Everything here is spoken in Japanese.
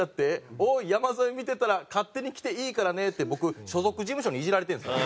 「おーい山添見てたら勝手に来ていいからね」って僕所属事務所にイジられてるんですね。